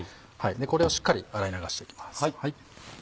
これをしっかり洗い流していきます。